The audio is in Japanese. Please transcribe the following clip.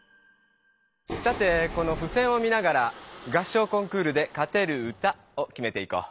さてこのふせんを見ながら「合唱コンクールで勝てる歌」をきめていこう。